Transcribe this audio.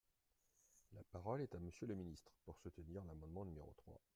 La parole est à Monsieur le ministre, pour soutenir l’amendement numéro trois.